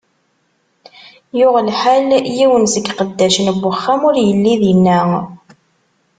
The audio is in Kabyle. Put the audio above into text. Yuɣ lḥal, yiwen seg iqeddacen n uxxam ur illi dinna.